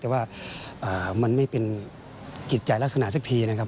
แต่ว่ามันไม่เป็นกิจใจลักษณะสักทีนะครับ